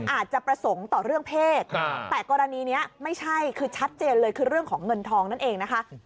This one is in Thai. อาจจะประสงค์ต่อเรื่องเพศแต่กรณีนี้ไม่ใช่คือชัดเจนเลยคือเรื่องของเงินทองนั่นเองนะคะ